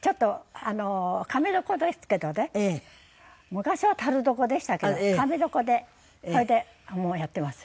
昔はたる床でしたけどかめ床でそれでもうやってます。